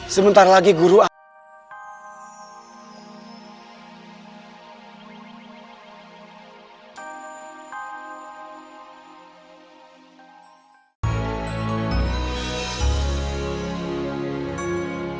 sebentar lagi guru akan